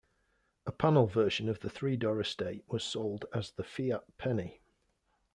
A panel version of the three-door estate was sold as the Fiat Penny.